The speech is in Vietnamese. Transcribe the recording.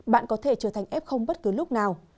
bạn có thể trở thành ép không bất cứ lúc nào